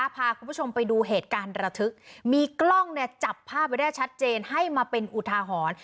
พาคุณผู้ชมไปดูเหตุการณ์ระทึกมีกล้องเนี่ยจับภาพไว้ได้ชัดเจนให้มาเป็นอุทาหรณ์